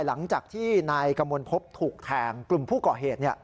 หลังจากที่นายกมลพบถูกแทงกลุ่มผู้ก่อเหตุ